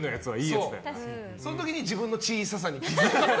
その時に自分の小ささに気付く。